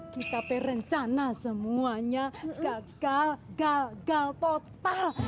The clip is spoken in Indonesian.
kita perencana semuanya gagal gal gal total